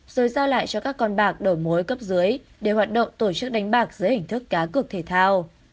rồi giao lại cho các con bạc đổi mối cấp dưới để hoạt động tổ chức đánh bạc dưới hình thức cá cược thể thao